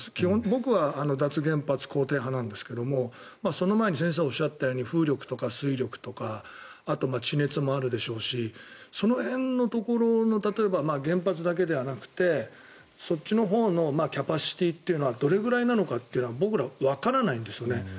僕は脱原発肯定派なんですがその前に先生がおっしゃったように風力とか水力とかあとは地熱もあるでしょうしその辺の原発だけではなくてそっちのほうのキャパシティーというのはどれくらいなのかは僕ら、わからないんですよね。